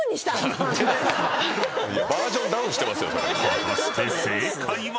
［果たして正解は？］